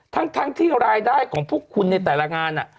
ทั้งที่รายได้ของพวกคุณในแต่ละงาน